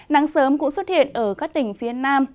nắng sớm cũng xuất hiện ở các tỉnh phía nam